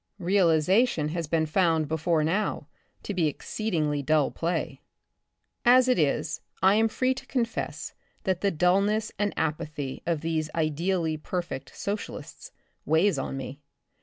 Realization has been found before now, to be exceedingly dull play. As it is, I am free to confess, that the dull ness and apathy of these ideally perfect social ists weighs on me.